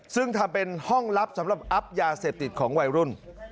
ซึ่งทำเป็นห้องลับสำหรับอัพยาเสพติดของวัยรุ่น